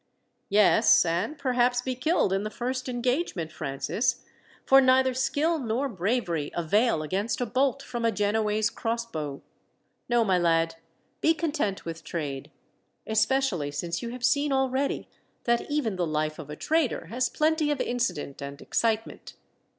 "Yes, and perhaps be killed in the first engagement, Francis, for neither skill nor bravery avail against a bolt from a Genoese crossbow. No, my lad, be content with trade, especially since you have seen already that even the life of a trader has plenty of incident and excitement.